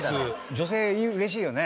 女性嬉しいよね？